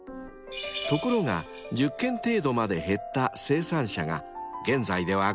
［ところが１０軒程度まで減った生産者が現在では５倍に］